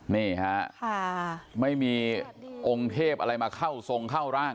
นี่ฮะไม่มีองค์เทพอะไรมาเข้าทรงเข้าร่าง